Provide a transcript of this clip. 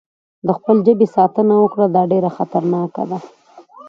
د خپل ژبې ساتنه وکړه، دا ډېره خطرناکه ده.